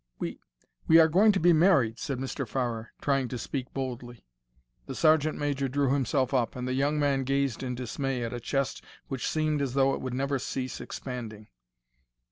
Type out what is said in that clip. "We—we are going to be married," said Mr. Farrer, trying to speak boldly. The sergeant major drew himself up, and the young man gazed in dismay at a chest which seemed as though it would never cease expanding.